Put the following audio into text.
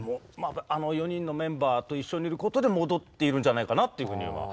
あの４人のメンバーと一緒にいることで戻っているんじゃないかなっていうふうには。